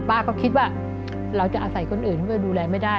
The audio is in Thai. ป้าก็คิดว่าเราจะอาศัยคนอื่นเข้าไปดูแลไม่ได้